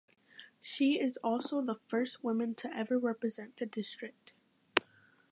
She is also the first woman to ever represent the district.